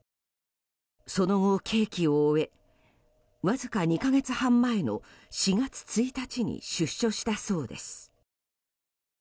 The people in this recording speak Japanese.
その後、刑期を終えわずか２か月半前の４月１日に出所したそうです。